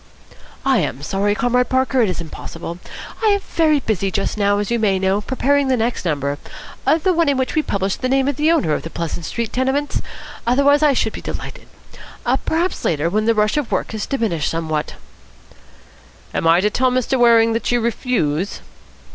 "I am sorry, Comrade Parker. It is impossible. I am very busy just now, as you may know, preparing the next number, the one in which we publish the name of the owner of the Pleasant Street Tenements. Otherwise, I should be delighted. Perhaps later, when the rush of work has diminished somewhat." "Am I to tell Mr. Waring that you refuse?"